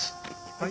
はい。